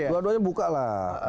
dua duanya buka lah